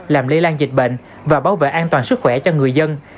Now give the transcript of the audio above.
làm lây lan dịch bệnh và bảo vệ an toàn sức khỏe cho người dân